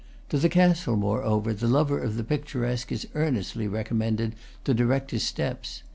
To the castle, moreover, the lover of the picturesque is earnestly recommended to direct his steps.